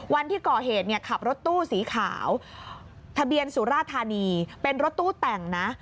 วันที่ก่อเหตุเนี่ยขับรถตู้สีขาวทะเบียนสุราธานีเป็นรถตู้แต่งนะ